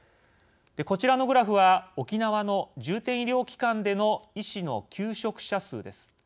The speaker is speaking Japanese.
こちらのグラフは沖縄の重点医療機関での医師の休職者数です。